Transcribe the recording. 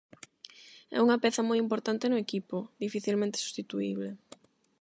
É unha peza moi importante no equipo, dificilmente substituíble.